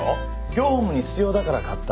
業務に必要だから買った。